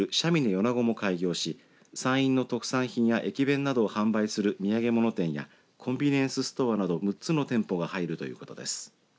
米子も開業し山陰の特産品や駅弁などを販売する土産物店やコンビニエンスストアなど６つの店舗が入るということです。